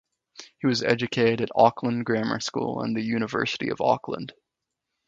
He was educated at Auckland Grammar School and the University of Auckland.